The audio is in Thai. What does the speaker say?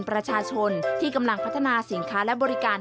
ประชาชนที่กำลังพัฒนาสินค้าและบริการ